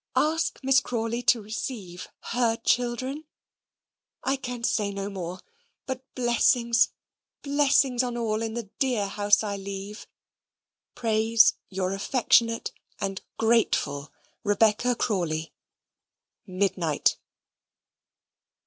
Ask Miss Crawley to receive HER CHILDREN. I can say no more, but blessings, blessings on all in the dear house I leave, prays Your affectionate and GRATEFUL Rebecca Crawley. Midnight.